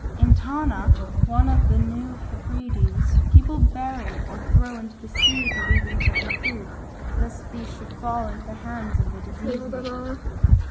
In Tana, one of the New Hebrides, people bury or throw into the sea the leavings of their food, lest these should fall into the hands of the disease makers.